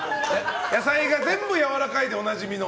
野菜が全部やわらかいでおなじみの。